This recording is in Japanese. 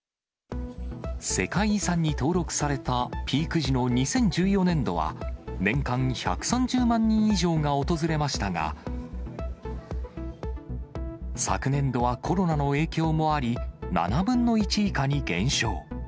世界遺産に登録されたピーク時の２０１４年度は、年間１３０万人以上が訪れましたが、昨年度はコロナの影響もあり、７分の１以下に減少。